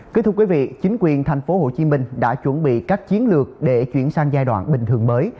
kính thưa quý vị chính quyền tp hcm đã chuẩn bị các chiến lược để chuyển sang giai đoạn bình thường mới